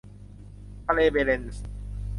ทะเลแบเร็นตส์